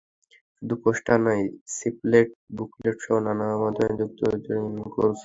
শুধু পোস্টার নয়, লিফলেট, বুকলেটসহ নানা মাধ্যমে আমরা মুক্তিযুদ্ধের প্রচারকাজ করেছি।